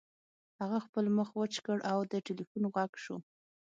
هغه خپل مخ وچ کړ او د ټیلیفون غږ شو